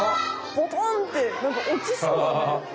ボトンってなんかおちそうだね。